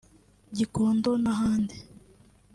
Gikondo n’ahandi